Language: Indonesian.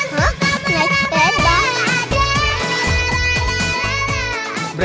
jangan suka menangis peda